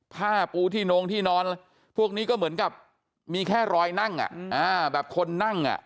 ผ้าปูที่นงที่นอนพวกนี้ก็เหมือนกับมีแค่รอยนั่งแบบคนนั่งอ่ะ